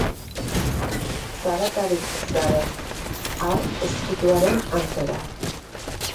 Zaratarik gabe, har ezkutuaren antzera.